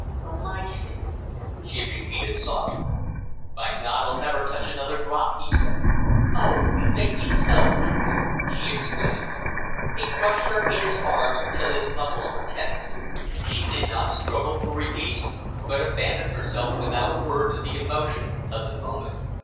"For my sake," she repeated softly. "By God, I'll never touch another drop!" he said. "Oh, you make me so happy!" she exclaimed. He crushed her in his arms until his muscles were tense. She did not struggle for release, but abandoned herself without a word to the emotion of the moment.